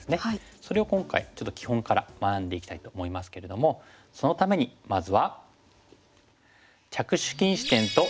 それを今回ちょっと基本から学んでいきたいと思いますけれどもそのためにまずは。